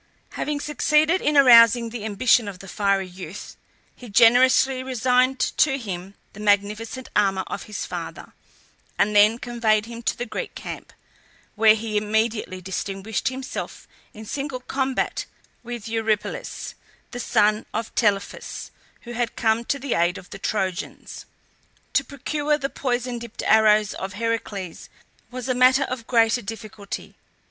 Having succeeded in arousing the ambition of the fiery youth, he generously resigned to him the magnificent armour of his father, and then conveyed him to the Greek camp, where he immediately distinguished himself in single combat with Eurypylus, the son of Telephus, who had come to the aid of the Trojans. To procure the poison dipped arrows of Heracles was a matter of greater difficulty.